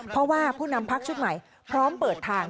เพราะว่าผู้นำพักชุดใหม่พร้อมเปิดทาง